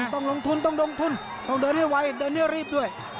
ต้องลงทุนต้องลงทุนต้องเดินให้ไวเดินให้รีบด้วย